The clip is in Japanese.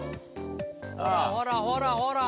ほらほらほらほらほら。